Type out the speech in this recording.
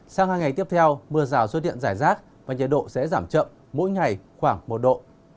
sang hai ngày tiếp theo mưa rào xuất điện giải rác và nhiệt độ sẽ giảm chậm mỗi ngày khoảng một độ